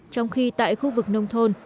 trong khi tại khu vực nội